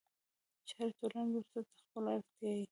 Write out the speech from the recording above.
چې هره ټولنه ورته د خپلې اړتيا